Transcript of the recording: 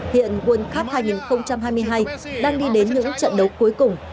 hiện world cup hai nghìn hai mươi hai đang đi đến những trận đấu cuối cùng